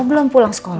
belum pulang sekolah